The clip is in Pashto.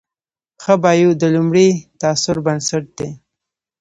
ښه بایو د لومړي تاثر بنسټ دی.